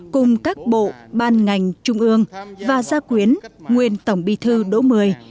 cùng các bộ ban ngành trung ương và gia quyến nguyên tổng bí thư đỗ mười